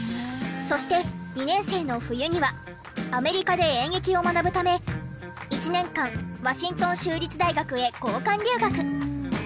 そして２年生の冬にはアメリカで演劇を学ぶため１年間ワシントン州立大学へ交換留学。